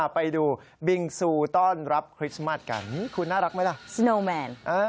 ไปดูบิงซูต้อนรับคริสต์มัสกันคุณน่ารักไหมล่ะสโนแมน